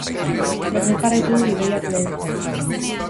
Berdin jarraitu du gidoiak lehen zatian.